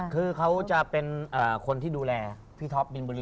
คือเขาจะเป็นคนที่ดูแลพี่ท็อปบินบุรี